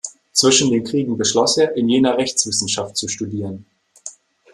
Zwischen den Kriegen beschloss er, in Jena Rechtswissenschaft zu studieren.